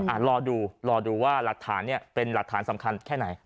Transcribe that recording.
รอดูรอดูว่าหลักฐานเนี่ยเป็นหลักฐานสำคัญแค่ไหน